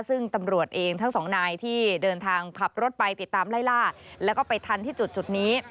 ซึ่งตำรวจเองทั้งสองนายที่เดินทางขับรถไปติดตามไล่ล่าแล้วก็ไปทันที่จุดนี้